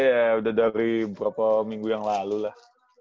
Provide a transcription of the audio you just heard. iya udah dari beberapa minggu yang lalu lah